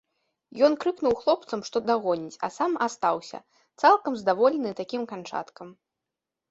Ён крыкнуў хлопцам, што дагоніць, а сам астаўся, цалкам здаволены такім канчаткам.